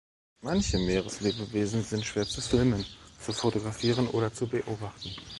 Manche Meereslebewesen sind schwer zu filmen, zu fotografieren oder zu beobachten.